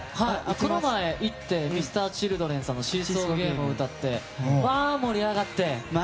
この前、行ってＭｒ．Ｃｈｉｌｄｒｅｎさんの「シーソーゲーム」を歌ってまあ盛り上がって。